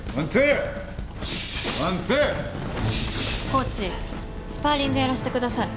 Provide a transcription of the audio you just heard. コーチスパーリングやらせてください。